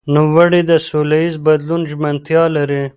نوموړي د سولهییز بدلون ژمنتیا لري.